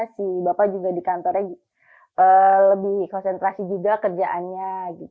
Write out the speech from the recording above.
si bapak juga di kantornya lebih konsentrasi juga kerjaannya